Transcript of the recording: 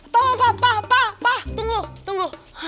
pa pa pa pa pa pa tunggu tunggu